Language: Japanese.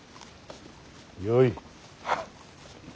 よい。